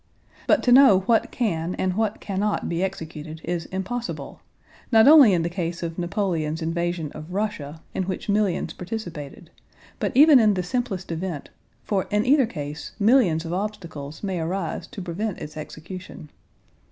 But to know what can and what cannot be executed is impossible, not only in the case of Napoleon's invasion of Russia in which millions participated, but even in the simplest event, for in either case millions of obstacles may arise to prevent its execution.